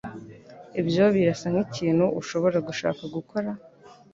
Ibyo birasa nkikintu ushobora gushaka gukora?